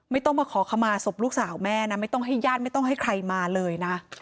ไม่ต้องมาขอขมาศพลูกสาวแม่นะไม่ต้องให้ญาติไม่ต้องให้ใครมาเลยนะ